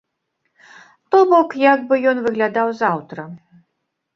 То бок, як бы ён выглядаў заўтра.